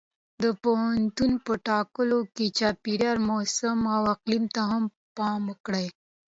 د پوهنتون په ټاکلو کې چاپېریال، موسم او اقلیم ته هم پام وکړئ.